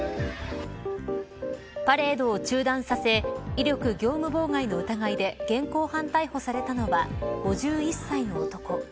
パレードを中断させ威力業務妨害の疑いで現行犯逮捕されたのは５１歳の男。